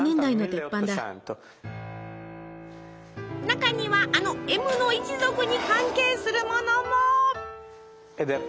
中にはあのＭの一族に関係するものも。